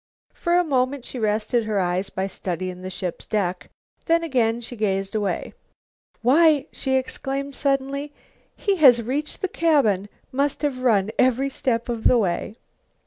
For a moment she rested her eyes by studying the ship's deck. Then again she gazed away. "Why," she exclaimed suddenly, "he has reached the cabin! Must have run every step of the way!"